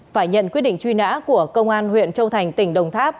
phải nhận quyết định truy nã của công an huyện châu thành tỉnh đồng tháp